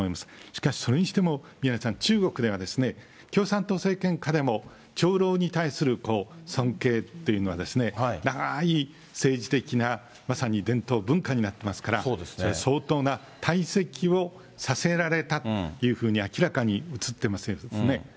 しかしそれにしても、宮根さん、中国では共産党政権下でも、長老に対する尊敬というのは、長い政治的な、まさに伝統文化になってますから、相当な、退席をさせられたというふうに明らかに写ってますよね。